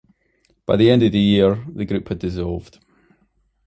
By the end of the year, the group had dissolved.